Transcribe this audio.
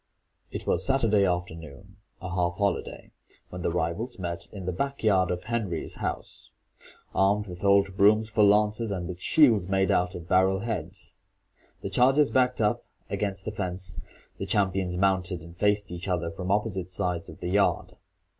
It was Saturday afternoon, a half holiday, when the rivals met in the back yard of Henry's house, armed with old brooms for lances, and with shields made out of barrel heads. The chargers backed up against the fence, the champions mounted and faced each other from opposite sides of the yard.